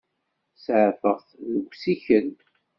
Saɛfeɣ-t deg usikel.